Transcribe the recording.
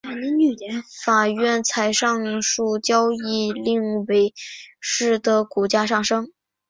法院裁定上述交易令伟仕的股价上升。